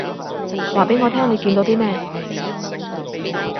話畀我聽你見到啲咩